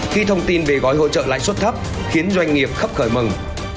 khi thông tin về gói hỗ trợ lãi suất thấp khiến doanh nghiệp khắp khởi mừng